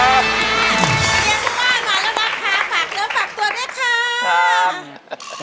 วันนี้คุณป่านหน่อยค่ะ